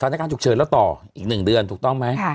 สถานการณ์ฉุกเฉินแล้วต่ออีก๑เดือนถูกต้องไหม